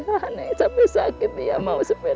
iya neng sampai sakit dia mau sepeda neng